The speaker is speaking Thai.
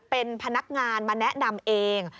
เป็นพนักงานมาแนะนำเอง